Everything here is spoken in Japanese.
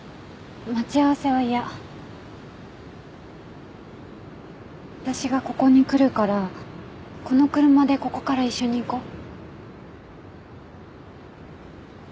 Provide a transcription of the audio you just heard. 待ち合わせは嫌私がここに来るからこの車でここから一緒に行こう？